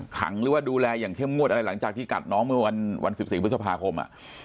หรือว่าดูแลอย่างเข้มงวดอะไรหลังจากที่กัดน้องเมื่อวัน๑๔พฤษภาคม